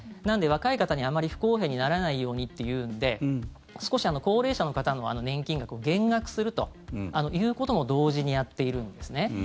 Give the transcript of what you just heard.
なので、若い方にあまり不公平にならないようにというので少し高齢者の方の年金額を減額するということも同時にやっているんですね。